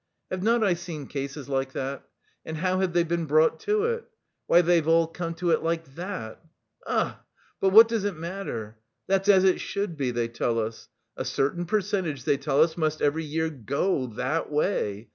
Have not I seen cases like that? And how have they been brought to it? Why, they've all come to it like that. Ugh! But what does it matter? That's as it should be, they tell us. A certain percentage, they tell us, must every year go... that way...